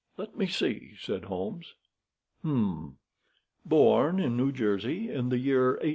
"Let me see!" said Holmes. "Hum! Born in New Jersey in the year 1858.